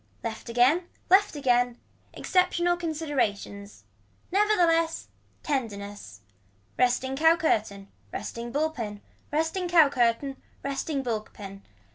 Left again left again. Exceptional considerations. Never the less tenderness. Resting cow curtain. Resting bull pin. Resting cow curtain. Resting bull pin.